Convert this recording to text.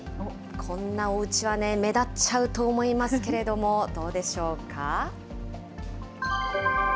こんなおうちはね、目立っちゃうと思いますけれども、どうでしょうか。